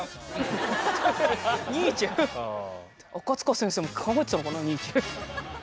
赤塚先生も考えてたのかなニーチェ。